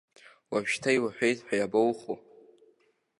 Уажәшьҭа иуҳәеит ҳәа иабаухәо?